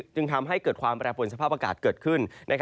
จึงทำให้เกิดความแปรปวนสภาพอากาศเกิดขึ้น